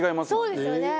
そうですよね！